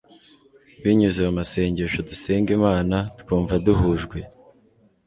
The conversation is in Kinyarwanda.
binyuze mu masengesho dusenga imana, twumva duhujwe